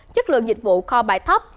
chất lượng dịch vụ kho bài thấp